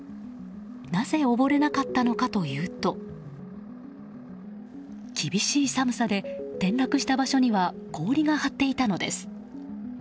なぜ溺れなかったのかというと厳しい寒さで転落した場所には氷が張っていたのです。